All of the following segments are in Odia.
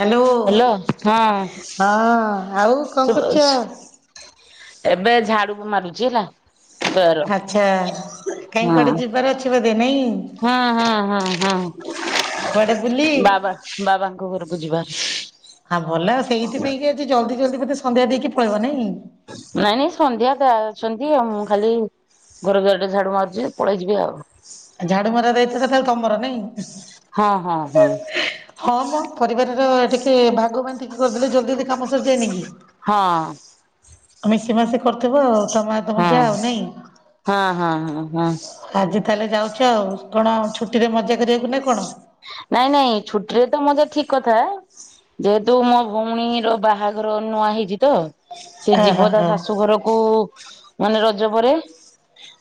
ହାଲୋ ହ୍ୟାଲୋ ହଁ ହଁ ଆଉ କଣ ଶୁଭ କରୁଚ। ଏବେ ଝାଡୁକୁ ମାରୁଛି ହେଲା। ବାର ଆଚ୍ଛା କାହିଁ ହଁ କୁଆଡେ ଯିବାର ଅଛି। ନାଇଁ କି। ହଁ ହଁ ହଁ ହଁ। କୁଆଡେ ବୁଲି? ବାବା ବାବାଙ୍କ ଘରକୁ ଯିବୁ। [unintelligible] ଆଁ ଭଲ ସେଇଥିପାଇଁ କି ଆଜି ଜଲ୍ଦି ଜଲ୍। ବୋଧେ ସନ୍ଧ୍ୟା ଦେଇକି ପଳେଇବ ନାଇଁ। ନାଇଁ ନାଇଁ ସନ୍ଧ୍ୟା ଦା ଅଛନ୍ତି ଆଉ ମୁଁ ଖାଲି ଘର ଦୁଆର ଟା ଝାଡୁ ମାରୁଛି ପଳେଇ ଯିବି ଆଉ। ଝାଡୁ ମରା ଦାୟିତ୍ବ ତାହେଲେ ତମର ନାଇଁ। ହଁ ହଁ ହଁ। ର ଟିକେ ଭାଗ ବାଣ୍ଟିକି କରିଦେଲେ ଜଲ୍ଦି ଜଲ୍ଦି କାମ ସରିଯାଏ ନି କି ହଁ। ଆଉ ମିଶି ମାଶି କରୁଥୁବ ଆଉ। ତମେ ତମ ହଁ ଯା ଆଉ ନାଇଁ? ହଁ ହଁ ହଁ ହଁ। ଆଜି ତାହେଲେ। [unintelligible] ଅଛ ଆଉ କଣ ଛୁଟିରେ ମଜା କରିବାକୁ ନା କଣ। ନାଇଁ ନାଇଁ ଛୁଟିରେ ତ ମଜା ଠିକ୍ କଥା। ଯେହେତୁ ମୋ ଭଉଣୀର ବାହାଘର ନୂଆ ହେଇଚି ତ ସେ ଓହୋ ଯିବ ତା ହଁ ଶାଶୁ ଘରକୁ। ମାନେ ରଜ ପରେ।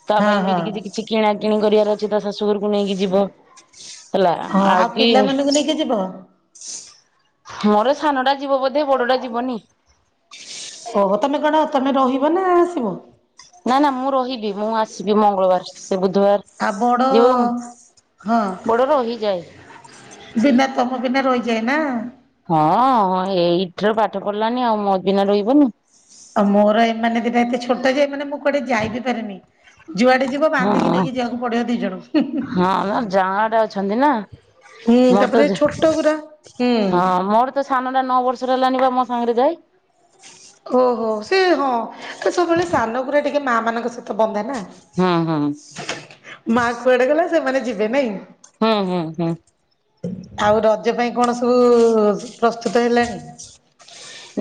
ତା ହଁ ପାଇଁ ବି ହଁ ଏଠି କିଛି କିଣା କିିଣି କରିବାର ଅଛି ତା ଶାଶୁଘରକୁ ନେଇକି ଯିବ ହେଲା। ହଁ ଆଉ ପିଲାମାନଙ୍କୁ ନେଇକି ଯିବ। ମୋର ସାନ ଟା ଯିବ ବୋଧେ ବଡ ଟା ଯିବନି। ହଁ ତମେ କଣ ତମେ ରହିବ ନା ଆସିବ? ନା ନା ମୁଁ ରହିବି ମୁଁ ଆସିବି ମଙ୍ଗଳବାର। ସେ ଆ ବଡ ବୁଧବାର ଯିବ ହଁ ବଡ ରହିଯାଏ। ବିନା ତମ ବିନା ରହିଯାଏ ନା। ହଁ ଏ ଏଇଟି ରେ ପାଠ ପଢିଲାନି ଆଉ ମୋ ବିନା ରହିବନି। ଆଉ ମୋର ଏମାନେ ଦିଟା ଏତେ ଛୋଟ ଯେ ମାନେ ମୁଁ କୁଆଡେ ଯାଇ ବିି ପାରେନି। ଯୁଆଡେ ଯିବ ବାନ୍ଧିକି ହଁ ନେଇକି ଯିବାକୁ ପଡିବ ଦି ଜଣଙ୍କୁ। ହଁ ନା ଯାଆଁଳା ଟା ଅଛନ୍ତି ନା। ହୁଁ ମୋର ତ ତାପରେ ଛୋଟ ଗୁରା ହୁଁ। ହଁ ମୋର ତ ସାନ ଟା ନଅ ବର୍ଷର ହେଲାନି ବା ମୋ ସାଙ୍ଗରେ ଯାଏ। ଓହୋ ସେ ହଁ ସବୁବେଳେ ସାନ ଗୁଡା ଟିକେ ମା ମାନଙ୍କ ସହିତ ବନ୍ଧା ନା। ହୁଁ ହୁଁ। ମାନେ ଯିବେ ନାଇଁ। ହୁଁ ହୁଁ ହୁଁ। ଆଉ ରଜ ପାଇଁ କଣ ସବୁ ପ୍ରସ୍ତୁତ ହେଲାଣି।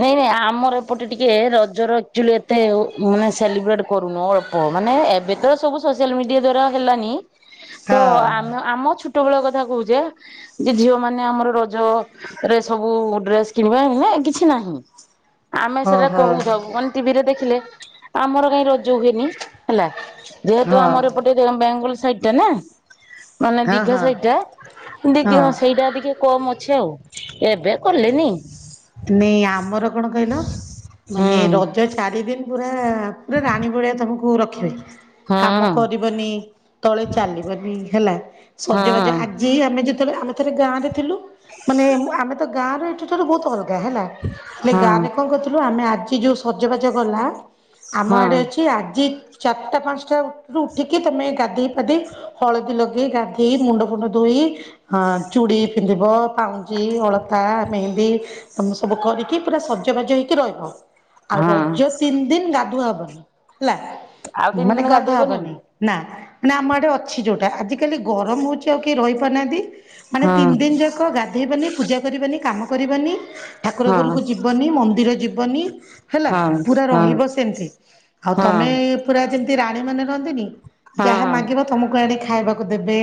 ନାଇଁ ନାଇଁ ଆମର ଏପଟେ ଟିକେ ରଜର ଚୁଆଲି ଏତେ ମାନେ ସେଲିବ୍ରେଟ କରୁନୁ। ଅଳ୍ପ ମାନେ ଏବେ ତ ସବୁ ସୋସିଆଲ ମିଡିଆ ଦ୍ଵାରା ହେଲାନି। ତ ହଁ ଆମ ଆମ ଛୁ ଛୋଟବେଳ କଥା କହୁଛେ। ଯେ ଝିଅ ମାନେ ଆମର ରଜରେ ସବୁ ଡ୍ରେସ କିଣିବା। କିଛି କି କି ନାହିଁ। ଆମେ ସେଇଟା ଓହୋ କହୁଥାଉ। କଣ ଟିଭି ରେ ଦେଖିଲେ। ଆମର କାଇଁ ର ଯୋଉ ହେଇନି ହେଲା ଯେହେତୁ ହଁ ଆମର ଏପଟେ ରେ ବେଙ୍ଗୁଲ ସାଇଟ୍ ନା। ମାନେ ହଁ ଦୀଘା ହଁ। ସେଇଟା ଦିଘୀ ହଁ ସେଇଟା ଟିକେ କମ୍ ଅଛି ଆଉ। ଏବେ କଲେନି। ନାଇ ଆମର କଣ କହିଲ ମାନେ ହୁଁ ରଜ ଚାରି ଦିନ ପୁରା ପୁରା ରାଣୀ ଭଳିଆ ତମକୁ ର [unintelligible] କାମ ହଁ। କରିବନି ତଳେ ଚାଲିବନି ହେଲା। ସଜବାଜ ହଁ ଆଜି ଆମେ ଯ ଆମେ ଥରେ ଗାଁ ରେ ଥିଲୁ। ମାନେ ଆମେ ତ ଗାଁ ର ଏଠା ର ବହୁତ ଅଲଗ ହେଲା ହେ ହଁ ଗାଁରେ କଣ କରୁଥିଲୁ? ଆମେ ଆ ଆଜି ଯୋଉ ସଜବାଜ ଗଲା। ଆମ ହଁ ଆଡେ ଅଛି ଆଜିି ଚାରଟା ପାଞ୍ଚଟା ରୁ ଉଠିକି ତମେ ଗାଧେଇ ପାଧେଇ ହଳଦୀ ଲଗେଇ, ଗାଧେଇ ମୁଣ୍ଡ ଫୁଣ୍ଡ ଧୋଇ ହଁ ଚୁଡି ପିନ୍ଧିବ, ପାଉଁଜି, ଅଳତା, ମେହେନ୍ଦି ତମେ ସବୁ କରିକି ପୁରା ସଜବାଜ ହେଇକି ରହିବ। ଆଉ ହଁ ରଜ ତିନି ଦିନ ଗାଧ କୁହା ଅପା ହେଲା ଆଉ ତିନି ମାନେ ଦିନ କଥା ଗାଧେଇବନି? ହବନି । ନା ନାଁ ଆମ ଏଡେ ଅଛି ଯୋଉଟା ଆଜିିକାଲି ଗରମ ହଉଛି ଆଉ କି ରହି ପାରୁନାହାଁନ୍ତି । ମାନେ ହଁ ତିନି ଦିନ ଯାକ ଗାଧେଇବନି ପୂଜା କରିବାନି କାମ କରିବାନି । ଠାକୁର ହଁ ଘରକୁ ଯିବନି ମନ୍ଦିର ଯିବ ବନି । ହେଲା ହଁ ପୁରା ରହିବ ସେମିତି ଆଉ ହଁ ହଁ ତମେ ପୁରା ଯେମତି ତି ରାଣୀ ମାନେ ରହନ୍ତିନି ଯାହା ହଁ ମାଗିବ ତମକୁ ଆଣିକି ଖାଇବାକୁ ଦେବେ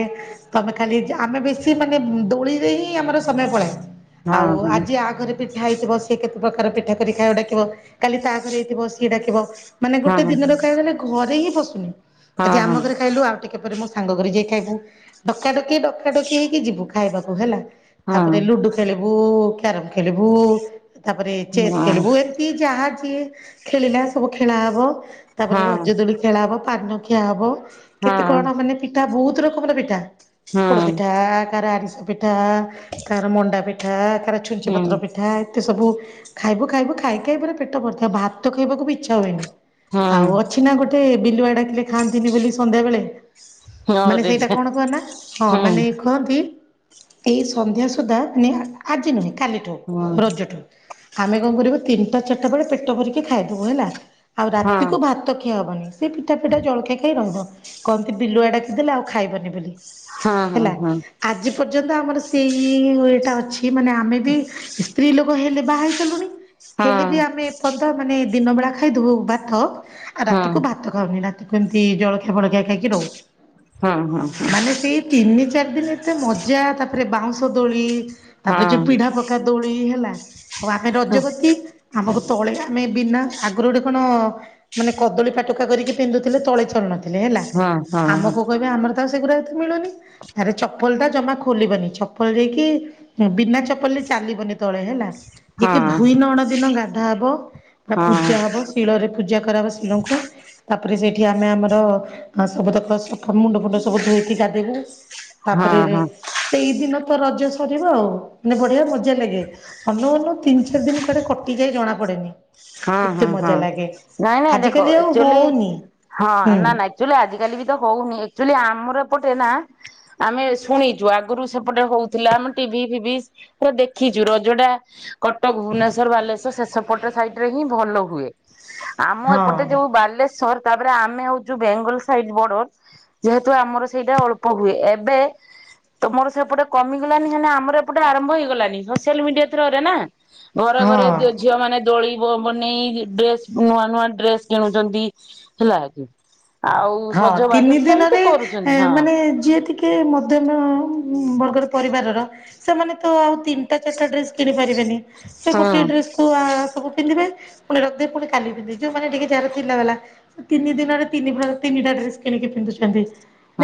ତମେ ଖାଲି ଆମେ ବେଶୀ ମାନେ ଦୋଳିରେ ହିଁ ଆମର ସମୟ ପଳାଏ । ହଁ ଆଉ ଆଜି ଆଗରେ ପିଠା ହେଇଥିବ ସିଏ କେତେ ପ୍ରକାର ପିଠା କରି ଖାଇବା ଡାକିବ କାଲି ତା ଘରେ ହେଇଥିବ ସିଏ ଡାକିବ । ମାନେ ହଁ ହଁ ହଁ ହଁ ଗୋଟେ ଦିନରେ କହିବାକୁ ଗଲେ ଘରେ ହିଁ ବସୁନି ହଁ ଆଜି ଆମ ଘରେ ଖାଇଲୁ ଆଉ ଟିକେ ପରେ ସାଙ୍ଗ ଘରେ ଯାଇ ଖାଇବୁ ।ଡକା ଡକି ଡକା ଡକି ହେଇକି ଯିବୁ ଖାଇବାକୁ ହେଲା । ହଁ ତାପରେ ଲୁଡୁ ଖେଳିବୁ । ବୋଉ କେ୍ୟାର ଖେଲିବୁ ତାପରେ ଚେସ୍ ଖେଳିବୁ ଏମିତି ଯାହା ଯା କିଏ ଖେଳିଲା ସବୁ ଖେଳା ହବ। ହଁ ହଁ ହଁ ତାପରେ ରଜଦୋଳି ଖେଳ ହବ। ପାନଖିଆ ହେବ। କେତେ କଣ ମାନେ ପିକ୍ ତା ବୁହୁତ ରକମର ପିଠା ହଁ ହଁ ପୋଡ଼ପିଠା କାହାର ଆରିଶା ପିଠା ତାର ମଣ୍ଡା ପିଠା ଛୁଞ୍ଚି ପତ୍ର ପତ୍ର ପିଠା ଏତେ ସବୁ ଖାଇବୁ ଖାଇବୁ ଖାଇ ଖାଇ ପୁରା ପେଟ ବଥା। ଭାତ ଖାଇବାକୁ ବି ଇଚ୍ଛା ହୁଏନି। ହଁ ଆଉ ଅଛି ନା ଗୋଟେ ବିଲୁଆ [inaudible] ଖାଆନ୍ତିନି ବୋଲି ସନ୍ଧ୍ୟାବେଳେ ମାନେ ରେ ସେଇଟା ଯା କଣ କୁହ ନା ହଁ ମାନେ କୁହନ୍ତି ଏଇ ସନ୍ଧ୍ୟା ସୁଦ୍ଧା ଆଣିଆ ଆଜି ନାହିଁ କାଲି ରଜଠୁ ଆମେ କଣ କରିବୁ ତିନିଟା ଚାରିଟା ବେଳେ ପେଟ ଭରିକି ଖାଇଦବୁ ହେଲା। ଆଉ ହଁ ହଁ ହଁ ରାତିକୁ ଭାତ କା [inaudible] ସେ ପିଠା ପିଠା ଜଳଖିଆ ଖାଇ ରହିଵ। କହନ୍ତି ବିଲୁଆ ଡାକିଦେଲେ ଆଉ ଖାଇବନି ବୋଲି। ହଁ ହଁ ହଁ ହଁ ହଁ ହଁ ହଁ ହଁ ହେଲା ହଁ ଆଜି ପର୍ଯ୍ୟନ୍ତ ଆମର ସେଇ ଇ ଟା ଅଛି। କି ମାନେ ଆମେ ବି ହେଲେ ବାହା ହେଇ ସାରିଲୁଣି। ହେଲେ ବି ଆମେ ଏପର୍ଯ୍ୟନ୍ତ ମାନେ ଦିନବେଳା ଖାଇ ଦବୁ ଭାତ ଆଉ ରାତିକୁ ଭାତ ଖାଉନି ନା। ସେମିତି ଜଳଖିଆ ବଳଖିଆ ଖାଇକି ରହୁ। ମାନେ ସେଇ ତିନି ଚାରି ସେଦିନେ ଏତେ ମଜା ତାପରେ ବାଉଁଶ ଦୋଳି ହଁ। ପୁଣି ହେଲା ଆମେ ରଜ ବତି ଆମକୁ ତଳେ ଆମେ ବିନା ଆଗରୁ ଗୋଟେ କଣ ମାନେ କଦଳୀ ପାଟୁକା କରିକି ପିନ୍ଧୁଥିଲେ ତଳେ ଚଳନ ଥିଲେ ହେଲା ଆମକୁ କହିବେ ଆମର ହଁ ସେଗୁଡା ଏଠି ମିଳୁନି ଆରେ ଚପଲ ଟା ଜମା ଖୋଲିବନି ଚପଲ ଯାଇକି ବିନା ଚପଲରେ ଚାଲିବନି ତଳେ ହେଲା ଯେତେ ଭୁଇ ନଅଣ ଦିନ ଗା ଭାବ ବା ହଁ ପୂଜା ହବ ଶିଳରେ ପୂଜା କରାହବ ଶିଳଙ୍କୁ ତାପରେ ସେଇଠି ଆମେ ଆମର ସବୁ ତକର ସ ମୁଣ୍ଡ ଫୁଣ୍ଡ ସବୁ ଧୋଇକି ଗାଧେଇବୁ। ତାପରେ ହଁ ହଁ ସେଇଦିନ ତ ରଜ ସ ଆଉାନେ ବଢିଆ ମ [inaudible] ମଜା ଲାଗେ ଅନଉ ଅନଉ ତିନ୍ ଚାରି ଦିନ କୁଆଡେ କଟି ଟିକେ ଜଣା ପଡେନି। ହଁ ଏତେ ହଁ ହଁ ମଜା ଲାଗେ। ନାଇଁ ନାଇଁ ଦେଖ ଆଜିକାଲି ଆଉ ଆକଚୁଆଲି ହଉନି ହଁ ହୁଁ ନା ନା ଆକଚୁଆ ଲି ଆଜିିକାଲି ବି ତ ହଉନି ଆକଚୁଆଲି ଆମର ଏପଟେ ନା ଆମେ ଶୁଣିଛୁ ଆଗରୁ ସେପଟେ ହଉଥିଲା ଆମେ ଟିଭି ଫିଭି ସେ ଦେଖିଛୁ ରଜଡା କଟକ ଭୁବନେଶ୍ୱର ବାଲେଶ୍ଵର ସେ ସେପଟ ସାଇଡ୍ ରେ ହିଁ ଭଲ ହୁଏ। ଆମ ଏପଟେ ହଁ। ଯୋଉ ବାଲେଶ୍ୱର ତାପରେ ଆମେ ହଉଛୁ ବେଙ୍ଗଲ ସାଇଡ ବର୍ଡର ଯେହେତୁ ଆମର ସେଇଟା ଅଳ୍ପ ହୁଏ ଏବେ ତମର ସେପଟେ କମିଗଲାନି ହେନେ ଆମର ଏପଟେ ଆରମ୍ଭ ହେଇଗଲାନି ସୋସିଆଲ ମିଡିଆ ଥ୍ରୋରେ ନା। ଘରେ ଘରେ ହଁ। ଝିଅ ମାନେ ଦୋଳି ବ ବନେଇ ଡ୍ରେସ ନୂଆ ନୂଆ ଡ୍ରେସ କିଣୁଛନ୍ତି ହେଲା କି? ଆଉ ହଁ ସଜବାଜ ତିନି ସେମିତି ଦିନରେ କରୁଛନ୍ତି ହଁ ମାନେ ଯିଏ ଟିକେ ମଧ୍ୟମ ବର୍ଗର ପରିବାରର ସେମାନେ ତ ଆଉ ତିନିଟା ଚାରିଟା ଡ୍ରେସ କିଣି ପାରିବେ ସେ ହଁ। ଗୋଟି ଏ ଡ୍ରେସକୁୁ ସବୁ ପିନ୍ଧିବେ। ପୁଣି ରଖଦେ ପୁଣି କାଲି ପିନଧିବି ଯୋଉମାନେ ଟିକେ ଯାହାର ଥିଲା ବଲା ସେ ତିନି ଦିନରେ ତିନି ପ୍ର ତିନିଟା ଡ୍ରେସ କିଣିକି ପିନ୍ଧୁଛନ୍ତି।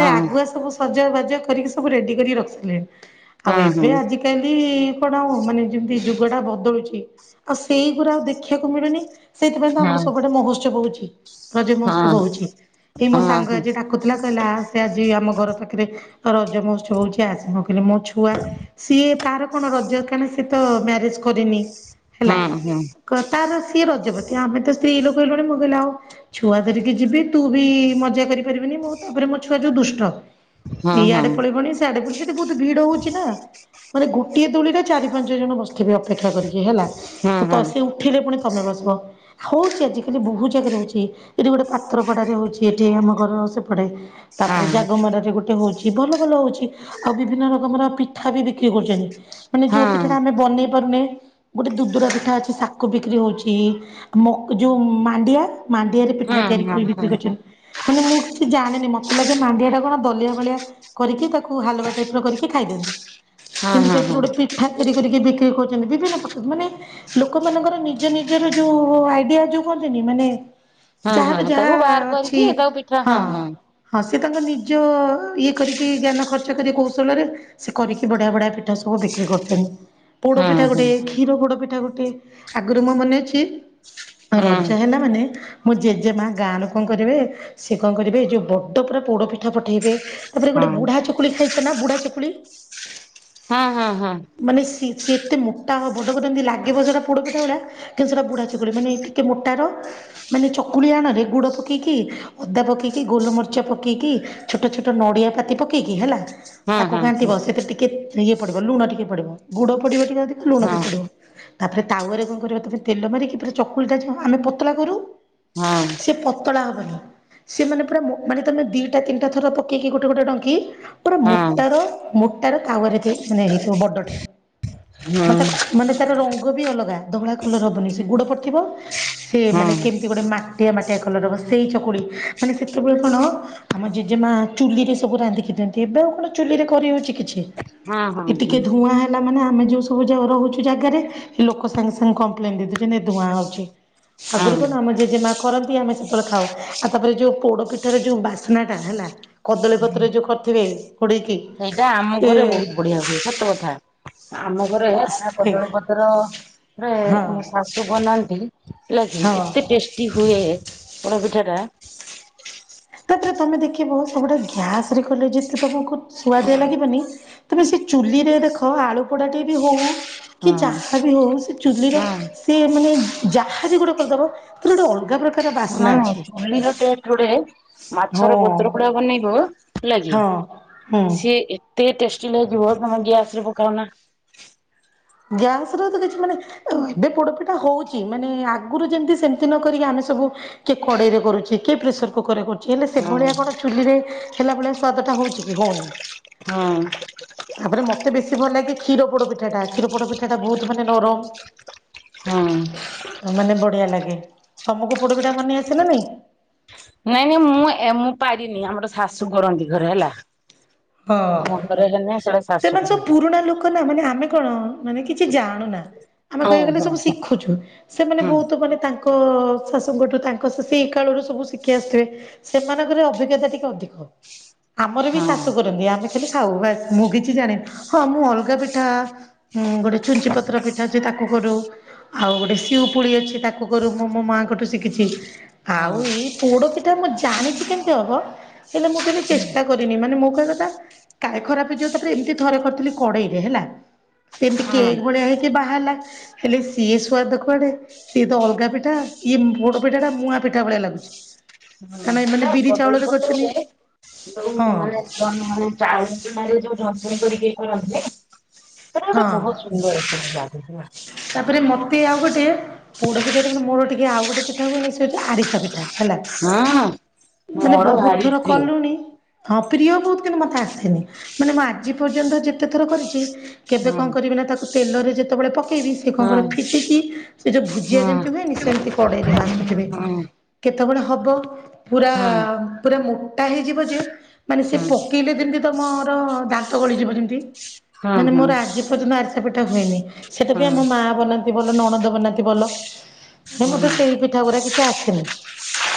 ବାଈ ଆଗୁଆ ସବୁ ସୁ ସଜ ବାଜ କରିକି ସବୁ ରେଡ଼ି କରିକି ରଖି ସାରିଲେଣି। ଆଉ ହଁ ଏବେ ଆଜିକାଲି କଣ ଆଉ ମାନେ ଯେମିତି ଯୁଗ ଟା ବଦଳୁଛି ଆଉ ସେଇଗୁରା ଆଉ ଦେଖିଆକୁ ମିଳୁନି। ସେଥିଇଁ ତ ହଁ ଆମର ସବୁ ଆଡ଼େ ମହୋତ୍ସବ ହଉଛି। ରଜ ହଁ ମହୋତ୍ସବ ହଉଛି। ମୋ ସାଙ୍ଗ ହଁ ଆଜି ଡାକୁଥିଲା କହିଲା ସେ ଆଜି ଆମ ଘର ପାଖରେ ରଜ ମହୋତ୍ସବ ହଉଛି ଆସେ ହେଲେ ମୋ ଛୁଆ ସିଏ ତାର କଣ ରଜ କାହିଁନା ସେ ତ ମ୍ୟାରେଜ କରିନି । ହଁ ହେଲା ହଁ ହଁ। କ ତାର ସେ ସିଏ ରଜପତି ଆମେ ତ ସ୍ତ୍ରୀ ଲୋକ ହେଲୁଣି ମୁଁ କହିଲ ଆଉ ଛୁଆ ଧରିକି ଯିବି ତୁ ବି ମଜା କରିପାରିବିନି ମୁଁ ତାପରେ ମୋ ଛୁଆ ଯୋଉ ଦୁଷ୍ଟ । ହଁ ହଁ ଏଇଆଡେ ପଳେଇିବଣି ସେ ଆଡେ ପ ସେଠି ବହୁତ ଭିଡ ହଉଛି ନା । ମାନେ ଗୋଟିଏ ଦୋଳିରେ ଚାରି ପାଞ୍ଚ ଜଣ ବସିି ଥିବେ ଅପେକ୍ଷା କରିକି । ଯେ ହେଲା ହଁ ତ ହଁ ହଁ ତ ସେ ଉଠିଲେ ପୁଣି ତମେ ବସିବ । ହଉଛି ଆଜିକାଲି ବହୁତ ଜାଗାରେ ହଉଛି ଏଠି ଗୋଟେ ପାତ୍ରପଡାରେ ହଉଛି । କିଏ ଏଠି ଆମ ଘର ସେପଡ଼େ । ତାପରେ ହଁ। ଜାଗମରରେ ଗୋଟେ ହଉଛି । ଯି ଭଲ ଭଲ ହଉଛି ଆଉ ବିଭିନ୍ନ ରକମର ପିଠା ବି ବିକ୍ରି କରୁଛନ୍ତି । ମାନେ ହଁ ଯୋଉ ପିଠା ହଁ ଟା ଆମେ ବନେଇ ପାରୁନେ ଗୋଟେ ଦୁଦୁରା ପିଠା ଅଛି ସାକ ବିକ୍ରି ମକ ଯୋଉଛି ଯୋଉ ମାଣ୍ଡିଆ ମାଣ୍ଡିଆରେ ପିଠା ତିଆରି ହଁ ହଁ କରି ବିକ୍ରି ହଁ କରିଛନ୍ ମାନେ ମୁଁ କିଛି ଜାଣିନି ମତେ ଲାଗେ ମାଣ୍ଡିଆଟା କଣ ଦଲିଆ ଭଳିଆ କରିକି ତାକୁ ହାଲୁଆ ଟାଇପର କରିକି ଖାଇଦିଅନ୍ତି। କିନ୍ତୁ ହଁ ସେଇଥିରେ ଗୋଟେ ପିଠା କିରି କରିକିର ବିକ୍ରି କରୁଚନ୍ତି। ବିଭିନ୍ନ ପକା ମାନେ ଲୋକମାନଙ୍କର ନିଜ ନିଜର ଯୋଉ ଆଇଡ଼ିଆ ଯୋଉ କହନ୍ତିନି ମାନେ ହଁ ହଁ ଯାହାର ଯାହା ତାକୁ ବାହାର କରି ଇ ତାକୁ ପିଠା ହଁ ହଁ। ସିଏ ତାଙ୍କ ନିଜ ଇଏ କରିକି ଜ୍ଞାନ ଖର୍ଚ୍ଚ କରି କୌଶଳରେ ସେ କରିକି ବଢିଆ ବଢିଆ ପିଠା ସବୁ ବିକ୍ରି କରୁଛନ୍ତି। ପୋଡ଼ ପିଠା ହଁ ହଁ ଗୋଟିଏ କ୍ଷୀର ପୋଡ଼ ପିଠା ଗୋ ଟି ଆଗୁରୁ ମୋ ମନେ ଅଛି ହଁ ରଜ ହେଲା ମାନେ ମୋ ଜେଜେମା ଗାଁ ଲୋ କରିବେ ସିଏ କଣ କରିବେ ଏଇ ଯୋଉ ବଡ଼ ପୁରା ପୋଡ଼ ପିଠା ପଠେଇବେ। ତାପରେ ଗଟେ ହଁ ବୁଢ଼ା ଚକୁଳି ଖାଇ ଛ ନା ବୁଢା ଚୁକୁଳି। ହଁ ହଁ। ମାନେ ସି ସିଏ ଏତେ ମୋଟା ହ ବଡକୁ ଯେମତି ଲାଗିବ ସେଟା ପୋଡ଼ ପିଠା ଭଳିଆ କିନ୍ତୁ ସେଟା ବୁଢ଼ା ଚକୁଳି ମାନେ ଟିକେ ମୋଟାର ମାନେ ଚକୁଳି ଆଣରେ ଗୁଡ଼ ପକେଇକି ଅଦା ପକେଇକି ଗୋଲମରିଚ ପକେଇକି ଛୋଟ ଛୋଟ ନଡ଼ିଆ ପାତି ପକାଇକି ହେଲା ହଁ ତାକୁ ହଁ ଘାଣ୍ଟିବ ସେ ତ ଟିକେ ନେଇକି ପଡ଼ିବ ଲୁଣ ଟିକେ ପଡ଼ିବ ଗୁଡ଼ ପଡ଼ିବ ଟିକେ। ଦେତ୍ ଲୁଣ ବି ହଁ ପଡ଼ିବ‌। ତାପରେ ତାୱାରେ କଣ କରିବା ତମେ ତେଲ ମାରିକି ପୁରା ଚକୁଳିଟା ଯୋଉ ଆମେ ପତଳା କରୁ ହଁ ସେ ପତଳା ହବନି। ସିଏ ମାନେ ପୁରା ମୋ ମାନେ ତମେ ଦିଟା ତିନିଟା ଥର ପକେଇକି ଗୋଟେ ଗୋଟେ ଡଙ୍କି ପୁରା ହଁ ମୋଟାର ମୋଟର ତାୱାରେ ତିଆ ମାନେ ହେଇଥିବ ବଡ ହଁ ମ ହଁ। ତାକୁ ମାନେ ତାର ରଂ ଗ ବି ଅଲଗା ଧଳା କଲର ହବନି ସେ ଗୁଡ଼ ପଡି଼ଥିବ ସେ ମାନେ କେମତି ଗୋଟେ ମା ଟିଆ ମାଟିଆ କଲର ହବ ସେଇ ଚକୁଳି ମାନେ ସେତୋବେଳେ କଣ ଆମ ଜେଜେମା ଚୁଲିରେ ସବୁ ରାନ୍ଧିକି ଦିଅନ୍ତି। ଏବେ ଆଉ କଣ ଚୁଲିରେ କରିହୋଉଚି କିଛି? ହଁ ହଁ ଏ ଟିକେ ହୁଁ। ଧୂଆଁ ହେଲା ମାନେ ଆ ଆମେ ଯୋଉ ସବୁ ଯଉ ରହୁଚୁ ଜାଗାରେ ଲୋକ ସାଙ୍ଗେ ସାଙ୍ଗେ କମ୍ପ୍ଲେନ ଦେଇଦୋଉଚନ୍ତି ଏ ଧୂଆଁ ହଉଚି। ଆଗରୁ ହଁ କଣ ଆମର ଜେଜେମା କରନ୍ତି ଆମେ ସେତେବେଳେ ଖାଉ ଆଉ ତାପରେ ଯୋଉ ପୋଡ ପିଠାର ଯୋଉ ବାସ୍ନା ଟା ହେଲା କଦଳୀ ପତ୍ରରେ ଯୋଉ କରିଥିବେ ଘୋଡେଇକି ସେଇଟା ଆମ ସେ ଘରେ ବହୁତ ବଢିଆ ହୁଏ ସତକଥା ଆଛା ଆମ ଘରେ ପ୍ରାୟ ସେ କଦଳୀପତ୍ରରେ ହଁ ମୋ ଶାଶୂ ବନାନ୍ତି ହେଲା କିି ହଁ। ଏତେ ଟେଷ୍ଟି ହୁଏ ପୋଡ଼ପିଠାଟା ତାପରେ ତମେ ଦେଖିବ ସବୁଠାରୁ ଗ୍ୟାସ ରେ କଲେ ଯେତେ ତମକୁ ସୁଆଦିଆ ଲାଗିବନି ତମେ ସେ ଚୁଲି ରେ ଦେଖ ଆଳୁ ପୋଡାଟେ ବି ହଉ କି ହଁ ଯାହା ବି ହଉ ସେ ଚୁଲିର ହଁ। ସେ ମାନେ ଯାହା ବି ଗୋଟେ କରିଦବ ତାର ଗୋଟେ ଅଲଗା ପ୍ରକାର ବାସ୍ନା ନା ନାଇଁ ଅଛି। ଚୁଲିର ଟେଷ୍ଟ ଗୋଟେ ହଁ। ମାଛର ପତ୍ର ପୋଡ଼ା ବନେଇବ ହେଲା କି ହଁ ହୁଁ। ସିଏ ଏତେ ଟେଷ୍ଟି ଲାଗିବ ତମେ ଗ୍ୟାସରେ ପକାଉନା ଗ୍ୟାସ ର ତ କିଛି ମାନେ ଏବେ ପୋଡପିଠା ହଉଛି ମାନେ ଆଗରୁ ଯେମିତି ସେମିତି ନ କରିକି ଆମେ ସବୁ କିଏ କଡେଇରେ କରୁଛେ କିଏ ପ୍ରେସର କୁକର ରେ କରୁଛେ ହେଲେ ହଁ ସେଭଳିଆ କଣ ଚୁଲିରେ ହେଲା ଭଳିଆ ସ୍ଵାଦ ଟା ହଉଛି କି ହଉନି। ହଁ। ତାପରେ ମତେ ବେଶୀ ଭଲ ଲାଗେ କ୍ଷୀର ପୋଡପିଠାଟା। କ୍ଷୀର ପୋଡପିଠାଟା ବହୁତ ମାନେ ହଁ। ନରମ ମାନେ ବଢିଆ ଲାଗେ ତମକୁ ପୋଡ ପିଠା ବନେଇ ଆସେ ନା ନାଇଁ? ନାଇଁ ନାଇଁ ମୁଁ ମୁଁ ପାରିନି ଆମର ଶାଶୂ କରନ୍ତି ଘରେ ହେଲା। ହଁ ଆମ ଘରେ ହେନେ ସେଟା ଶାଶୁ ସେମାନେ ସବୁ କରନ୍ତି। ପୁରୁଣା ଲୋକ ନା ମାନେ ଆମେ କଣ ମାନେ କିଛି ଜାଣୁନା । ଆମେ ହୁଁ କହିବାକୁ ଗଲେ ସବୁ ହଁ ଶିଖୁଛୁ ସେମାନେ ବହୁତ ମାନେ ତାଙ୍କ ତାଙ୍କ ଶାଶୂଙ୍କଠୁ ତାଙ୍କ ସେତିକି କାଳରୁ ସବୁ ଶିଖି ଆସୁଥିବେ ସେମାନଙ୍କର ଅଭିଜ୍ଞତା ଟିକେ ଅଧିକ। ଆମର ବି ହଁ ଶାଶୂ ଶାଶୂ କରନ୍ତି ଆମେ ଖଲି ଖାଉ ବାସ୍ ମୁଁ କିଛି ଜାଣିନି। ହଁ ମୁଁ ଅଲଗା ପିଠା ଗୋଟେ ଛୁଞ୍ଚି ପତ୍ର ପିଠା ଅଛି ତାକୁ କରୁ ଆଉ ଗୋଟେ ସିଉପୁଳି ଅଛି ତାକୁ କରୁ ମୁଁ ମୋ ମାଆଙ୍କଠୁ ଶିଖିଛି। ଆଉ ହଁ ଏଇ ପୋଡ଼ପିଠା ପିଠା ମୁଁ ଜାଣିଛି କେମିତି ହବ ହେଲେ ମୁଁ କେବେ ଚେଷ୍ଟା କରିନି ମାନେ ମୁଁ କହିବା କଥା କାଳେ ଖରାପ ହେଇଯିବ। ତାପରେ ଏମତି ଥରେ କରିଥିଲି କଡେଇରେ ହେଲା ସେ ଏମିତି କେକ୍ ଭଳିଆ ହେଇକି ବାହାରିଲା ହେଲେ ସିଏ ସୁଆଦ କୁଆଡେ ସିଏ ତ ଅଲଗା ପିଠା ଇଏ ପୋଡ଼ପିଠା ଟା ମୁଆଁ ପିଠା ଭଳିଆ ଲାଗୁଛି। କାରଣ ଏମାନେ ବିରି କଦଳୀ ଚାଉଳରେ କରିଛନ୍ତି ପତ୍ରରେ ଯୋଉ ହଁ ମାନେ ମାନେ ଚାଉଳ ଚୁନାରେ ଯୋଉ ଜନ୍ତୁଣି କରିକି କରନ୍ତି ସେ ଗୋଟେ ହଁ। ବହୁତ ସୁନ୍ଦର ଲାଗୁଛି ନା । ତାପରେ ମତେ ଆଉ ଗୋଟେ ପୋଡ ପିଠା ଟେ ମୋର ଟିକେ ଆଉ ଗୋଟେ ପିଠା ହୁଏନି ସେ ହଉଛି ଆରିସା ପିଠା। ହେଲା। ହଁ ମାନେ ମୋର ବହୁତ ଭାରି ଥର ପ୍ରିୟ। କଲୁଣି ହଁ ପ୍ରିୟ ବହୁତ କିନ୍ତୁ ମତେ ଆସେନି ।ମାନେ ମୁଁ ଆଜି ପର୍ଯ୍ୟନ୍ତ ଯେତେ ଥର କରିଛି କେବେ ହଁ କଣ କରିବି ନା ତାକୁ ତେଲରେ ଯେତେବେଳେ ପ ଇବି ସେ କଣ ହଁ କର ଫିଟିକି ସେ ଯୋଉ ଭୁଜିଆ ହଁ ଯେମିତି ହୁଏନି ସେମିତି କଡେଇରେ ଭାସୁଥିବେ। ହଁ। କେ କେତବଳେ ହବ? ପୁରା ହଁ ହଁ ପୁରା ମୋଟା ହେଇଯିବ ଯେ ମାନେ ସେ ହଁ ପକେଇଲେ ଯେମତି ତମର ଦା ତରଳି ଯିବ ଯେମିତି ହଁ ହଁ ମାନେ ହଁ ମୋର ଆଜି ପର୍ଯ୍ୟନ୍ତ ଆରିସା ପି ତା ହୁଏନି । ସେଟା ବି ଆମ ମା ବନା ବଲ ନଣନ୍ଦ ବନାନ୍ତି ବଲ। ହେ ମତେ ସେଇ ପିଠା ଗୁରା କିଛି ଆସେନି।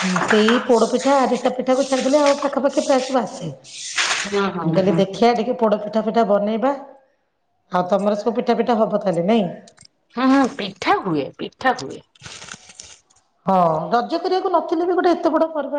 ହୁଁ ସେଇ ପୋଡ ପିଠା, ଆରିସା ପିଠାକୁ ଛାଡିଦେଲେ ଆଉ ପାଖାପାଖି ପ୍ରାୟ ସବୁ ଆସେ। ହଁ ମୁଁ ହଁ କହିଲି ହଁ ଦେଖିଆ ଟିକେ ପୋଡ ପିଠା ପିଠା ବନେଇବା ।ଆଉ ତମର ସବୁ ପିଠା ପିଠା ହବ ତ ତା ହେଲେ ନାଇଁ । ହଁ ହଁ ପିଠା ହୁଏ ପିଠା ହୁଏ। ହଁ ରଜ କରିଆକୁ ନଥିଲେ ବି ଗୋଟେ ଏତେ ବଡ ପର୍ବ